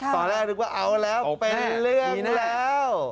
ตอนแรกนึกว่าเอาแล้วเป็นเรื่องนั้นแล้ว